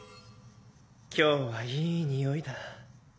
今日はいいにおいだ。